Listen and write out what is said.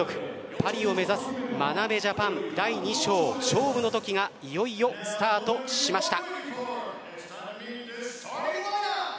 パリを目指す眞鍋ジャパン第２章勝負の時がいよいよスタートしました。